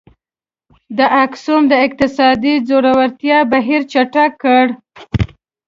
د اکسوم د اقتصادي ځوړتیا بهیر چټک کړ.